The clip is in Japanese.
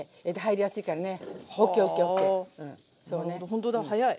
ほんとだ早い。